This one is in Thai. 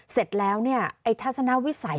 เสร็จแล้วเนี่ยไอ้ทัศนวิสัย